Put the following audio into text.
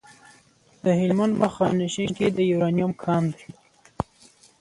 د هلمند په خانشین کې د یورانیم کان دی.